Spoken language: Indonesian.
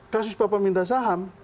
kasus papa minta saham